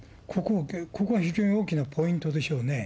ここは非常に大きなポイントでしょうね。